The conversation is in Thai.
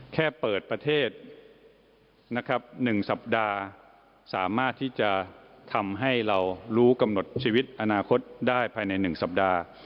แค่เปิดประเทศนะครับ๑สัปดาห์สามารถที่จะทำให้เรารู้กำหนดชีวิตอนาคตได้ภายใน๑สัปดาห์